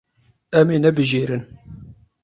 Em ê nebijêrin.